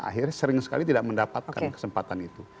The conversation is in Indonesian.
akhirnya seringkali tidak mendapatkan kesempatan itu